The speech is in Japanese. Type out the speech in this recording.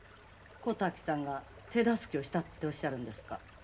小滝さんが手助けをしたっておっしゃるんですか？